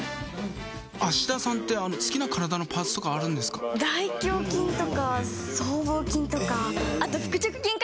芦田さんって好きな体のパーツとか大胸筋とか僧帽筋とか。